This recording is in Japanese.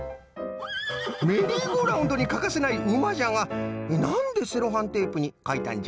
メリーゴーラウンドにかかせないうまじゃがなんでセロハンテープにかいたんじゃ？